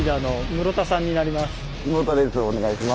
室田です